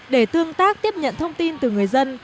để tương tác tiếp nhận thông tin từ người dân